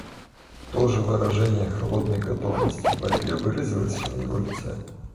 То же выражение холодной готовности к борьбе выразилось и на его лице.